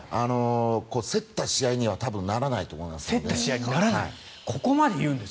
競った試合にはならないと思います。